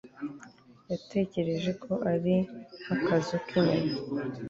Yatekereje ko ari nkakazu kinyoni